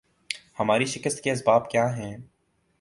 ہماری شکست کے اسباب کیا ہیں